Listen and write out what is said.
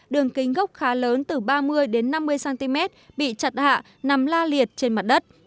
đường kính gốc khá lớn từ ba mươi năm mươi cm bị chặt hạ nằm la liệt trên mặt đất